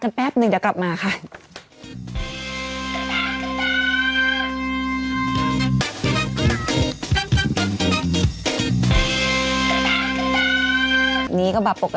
ขอบคุณหมินจ๊ะ